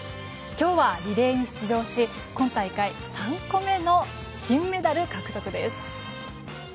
今日はリレーに出場し今大会３個目の金メダル獲得です。